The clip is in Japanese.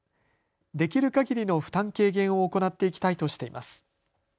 できるかぎりの負担軽減を行っていきたいとしています。